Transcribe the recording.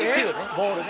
ボールね。